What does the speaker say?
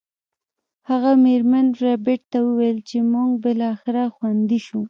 هغه میرمن ربیټ ته وویل چې موږ بالاخره خوندي شو